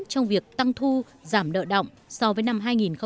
trong việc tăng thu giảm nợ động so với năm hai nghìn một mươi tám